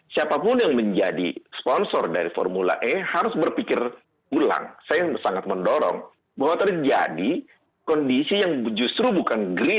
saya minta anda lihat apa yang terjadi di jakarta